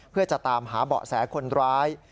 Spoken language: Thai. เพื่อจะตามหาเบาะแสคนร้าย